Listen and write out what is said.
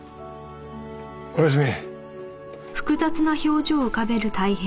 おやすみ。